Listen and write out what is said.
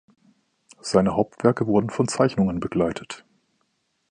Seine Hauptwerke wurden von Zeichnungen begleitet.